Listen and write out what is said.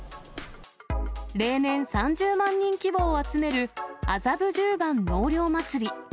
例年、３０万人規模を集める麻布十番納涼まつり。